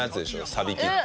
さびきって。